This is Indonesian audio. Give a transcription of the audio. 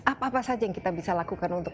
apa apa saja yang kita bisa lakukan untuk